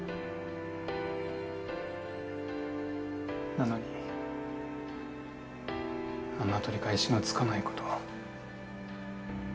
なのにあんな取り返しのつかない事を。